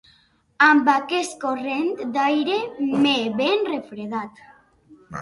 Amb aquest corrent d'aire m'he ben refredat.